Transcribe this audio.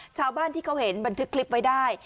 ชาวบ้านที่เขาเห็นบันทึกคลิปไว้ได้